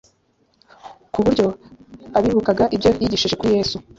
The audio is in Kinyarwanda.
ku buryo abibukaga ibyo yigishije kuri Yesu